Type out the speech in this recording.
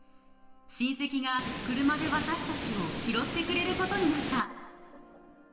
親戚が車で私たちを拾ってくれることになった。